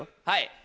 はい。